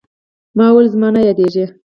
ما وويل زما نه يادېږي.